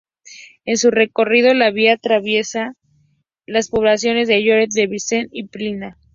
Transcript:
En su recorrido la vía atraviesa las poblaciones de Lloret de Vistalegre y Pina.